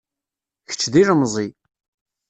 Kečč d ilemẓi.